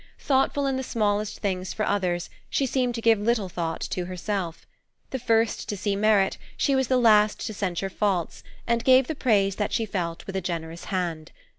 "Thoughtful in the smallest things for others, she seemed to give little thought to herself. The first to see merit, she was the last to censure faults, and gave the praise that she felt with a generous hand.